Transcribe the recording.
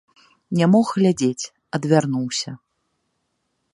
Не мог глядзець, адвярнуўся.